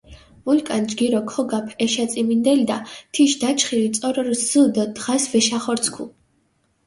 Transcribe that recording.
ვულკან ჯგირო ქოგაფჷ ეშაწიმინდელდა, თიშ დაჩხირი წორო რზჷ დო დღას ვეშახორცქუ.